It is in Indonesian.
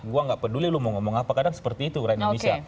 gue gak peduli lu mau ngomong apa kadang seperti itu orang indonesia